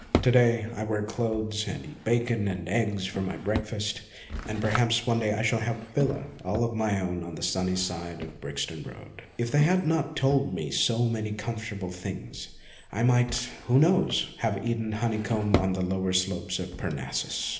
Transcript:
To day I wear clothes and eat bacon and eggs for my breakfast, and perhaps one day I shall have a villa ON FACTS 45 all of my own on the sunny side of the Brixton Road. If they had not told me so many comfortable things, I might who knows? have eaten honeycomb on the lower slopes of Parnassus.